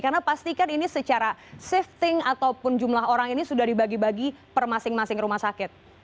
karena pastikan ini secara shifting ataupun jumlah orang ini sudah dibagi bagi per masing masing rumah sakit